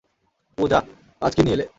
পূজা, আজ কি নিয়ে এলে?